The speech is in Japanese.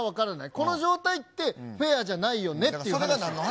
この状態って、フェアじゃないよねっていう話。